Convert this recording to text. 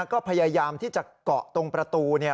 ก็พยายามที่จะเกาะตรงประตูเนี่ย